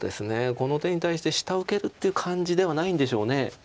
この手に対して下受けるっていう感じではないんでしょう。